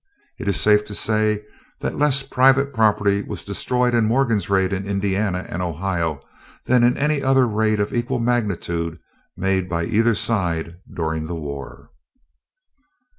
It is safe to say that less private property was destroyed in Morgan's raid in Indiana and Ohio than in any other raid of equal magnitude made by either side during the war.